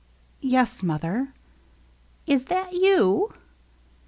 "Yes, mother." " Is that you